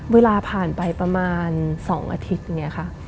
เวลาผ่านไปประมาณ๒อาทิตย์อย่างนี้ค่ะ